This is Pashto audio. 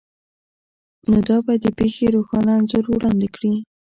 نو دا به د پیښې روښانه انځور وړاندې کړي